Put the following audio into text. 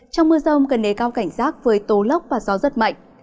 trong mưa rông cần đề cao cảnh giác với tố lốc và gió rất mạnh